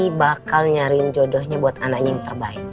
tapi bakal nyariin jodohnya buat anaknya yang terbaik